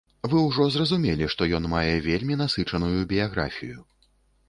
Вы ўжо зразумелі, што ён мае вельмі насычаную біяграфію.